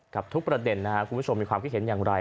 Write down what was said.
ทุกประเด็นนะครับคุณผู้ชมมีความคิดเห็นอย่างไร